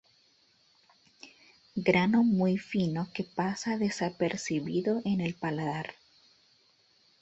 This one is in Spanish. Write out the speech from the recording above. Grano muy fino que pasa desapercibido en el paladar.